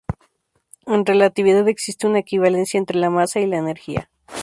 En relatividad existe una equivalencia entre la masa y la energía.